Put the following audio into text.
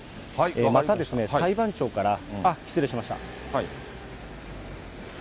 またですね、裁判長から、失礼しました。